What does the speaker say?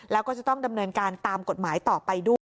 แล้วก็จะต้องดำเนินการตามกฎหมายต่อไปด้วย